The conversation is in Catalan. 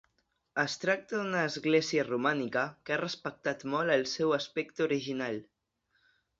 Es tracta d'una església romànica que ha respectat molt el seu aspecte original.